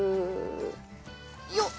よっ！